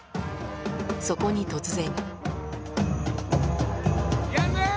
そこに突然。